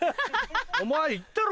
お前いったろ？